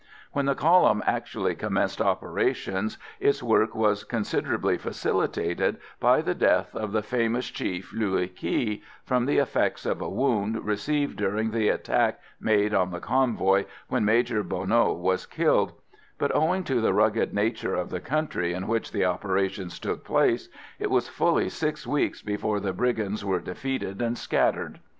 When the column actually commenced operations its work was considerably facilitated by the death of the famous chief Luu Ky, from the effects of a wound received during the attack made on the convoy when Major Bonneau was killed; but, owing to the rugged nature of the country in which the operations took place, it was fully six weeks before the brigands were defeated and scattered.